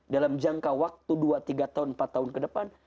dalam jangka waktu dua tiga tahun empat tahun ke depan